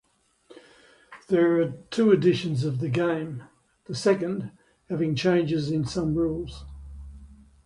There are two editions of the game, the second having changes in some rules.